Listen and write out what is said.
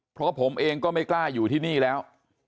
เพราะผมเองก็ไม่กล้าอยู่ที่นี่แล้ว